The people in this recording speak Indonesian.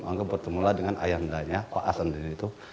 maka bertemu lah dengan ayahnya pak asan sendiri itu